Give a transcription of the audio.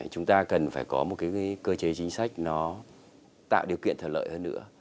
chúng ta cần phải có một cái cơ chế chính sách nó tạo điều kiện thật lợi hơn nữa